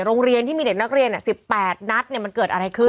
โรงเรียนที่มีเด็กนักเรียน๑๘นัดมันเกิดอะไรขึ้น